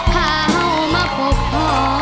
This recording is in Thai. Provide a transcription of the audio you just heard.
พ่าเหามาพบพ่อ